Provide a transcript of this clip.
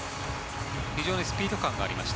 非常にスピード感がありました。